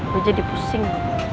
gue jadi pusing